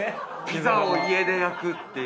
ピザを家で焼くっていう。